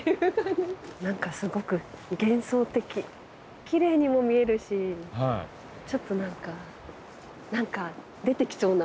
何かすごく幻想的きれいにも見えるしちょっと何か出てきそうな。